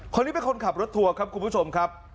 คนนี้เป็นคนขับรถทัวร์ครับคุณผู้ชมครับ